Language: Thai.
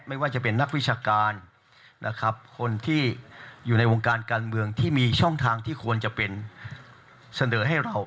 ไม่ว่าจะเป็นนักวิชาการนะครับคนที่อยู่ในวงการการเมืองที่มีช่องทางที่ควรจะเป็นเสนอให้เรา